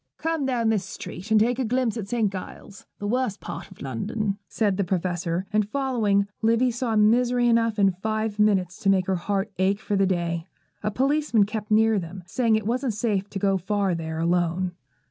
'Come down this street, and take a glimpse at St. Giles's, the worst part of London,' said the Professor; and, following, Livy saw misery enough in five minutes to make her heart ache for the day. A policeman kept near them, saying it wasn't safe to go far there alone.